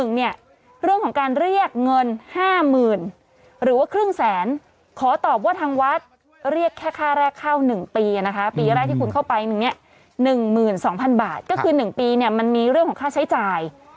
๑หมื่น๒พันบาทก็คือ๑ปีมันมีเรื่องของค่าใช้จ่าย